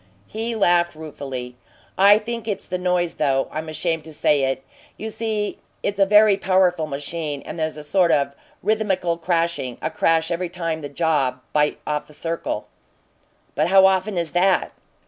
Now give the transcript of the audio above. He laughed ruefully. "I think it's the noise, though I'm ashamed to say it. You see, it's a very powerful machine, and there's a sort of rhythmical crashing a crash every time the jaws bite off a circle." "How often is that?"